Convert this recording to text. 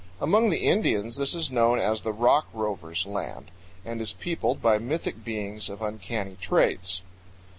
Among the Indians this is known as the "Rock Rovers' Land," and is peopled by mythic beings of uncanny traits.